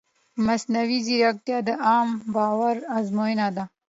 مصنوعي ځیرکتیا د عامه باور ازموینه ده.